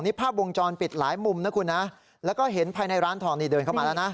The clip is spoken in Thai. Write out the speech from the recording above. นี่ภาพวงจรปิดหลายมุมนะคุณนะแล้วก็เห็นภายในร้านทองนี่เดินเข้ามาแล้วนะ